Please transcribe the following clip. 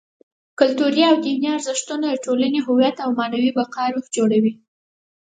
کلتوري او دیني ارزښتونه: د ټولنې د هویت او معنوي بقا روح جوړوي.